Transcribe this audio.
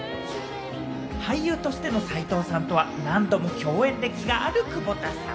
俳優としての斎藤さんとは何度も共演歴がある窪田さん。